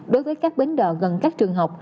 đối với các bến đò gần các trường học